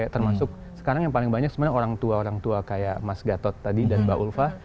termasuk sekarang yang paling banyak sebenarnya orang tua orang tua kayak mas gatot tadi dan mbak ulfa